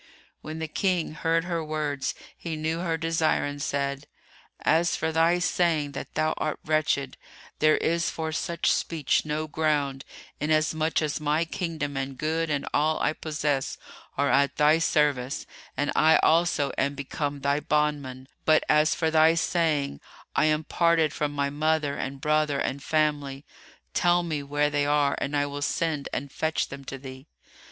When the King heard her words, he knew her desire and said, "As for thy saying that thou art wretched, there is for such speech no ground, inasmuch as my kingdom and good and all I possess are at thy service and I also am become thy bondman; but, as for thy saying, 'I am parted from my mother and brother and family', tell me where they are and I will send and fetch them to thee."